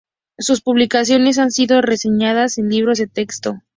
Sus publicaciones han sido reseñadas en libros de texto.